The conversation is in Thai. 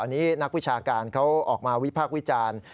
อันนี้นักวิชาการเขาออกมาวิพากษ์วิจารณ์